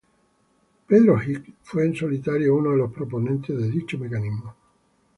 Peter Higgs fue en solitario uno de los proponentes de dicho mecanismo.